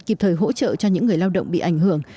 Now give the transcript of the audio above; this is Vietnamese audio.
giúp cho những người lao động bị ảnh hưởng